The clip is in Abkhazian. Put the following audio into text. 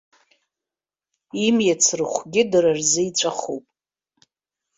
Имиц рыхәгьы дара рзы иҵәахуп.